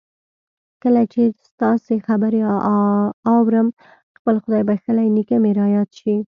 کله چې ستاسې خبرې آورم خپل خدای بخښلی نېکه مې را یاد شي